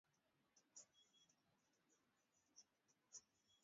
makala ambayo inakufahamisha juu ya masuala mbalimbali